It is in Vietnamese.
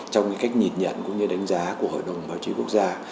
trong cách nhìn nhận cũng như đánh giá của hội đồng báo chí quốc gia